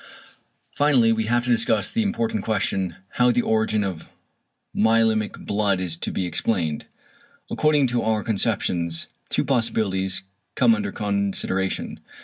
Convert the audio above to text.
Finally we have to discuss the important question, how ~the origin of myelæmic blood~ is to be explained. According to our conceptions two possibilities come under consideration.